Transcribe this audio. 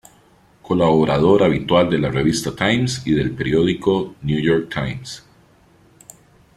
Colaborador habitual de la revista "Times" y del periódico "New York Times".